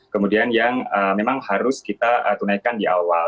kemudian yang memang harus kita tunaikan di awal